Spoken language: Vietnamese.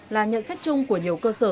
là nhận xét chung của nhiều cơ sở